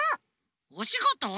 おしごと？